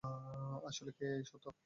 আসলে কে এই সত্যা?